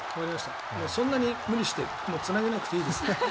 そんなに無理してつなげなくていいです。